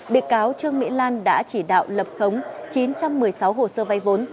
bị cáo trương mỹ lan đã chỉ đạo lập khống chín trăm một mươi sáu hồ sơ vay vốn